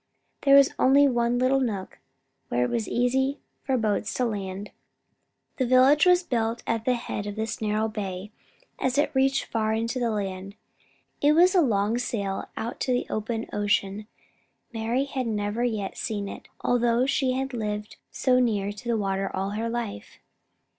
There was only one little nook where it was easy for boats to land. The village was built at the head of this narrow bay, as it reached far into the land. It was a long sail out to the open ocean. Mari had never yet seen it, although she had lived so near the water all her life.